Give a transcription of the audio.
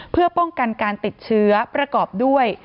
เพื่อป้องกันการติดเชื้อประกอบด้วย